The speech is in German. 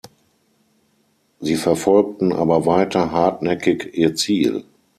Sie verfolgten aber weiter hartnäckig ihr Ziel.